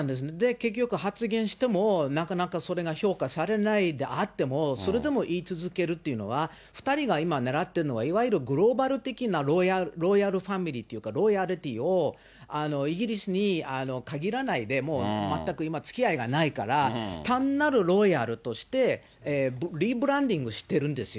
結局、発言しても、なかなかそれが評価されないであっても、それでも言い続けるっていうのは、２人が今、ねらってるのは、いわゆるグローバル的なロイヤルファミリーっていうか、ロイヤルティを、イギリスに限らないで、もう全く今、つきあいがないから、単なるロイヤルとしてリブランディングしてるんですよ。